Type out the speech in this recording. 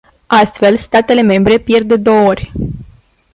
Astfel, statele membre pierd de două ori.